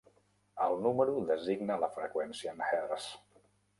El número designa la freqüència en hertz.